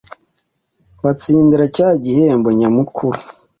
batsindira cya gihembo nyamukuru.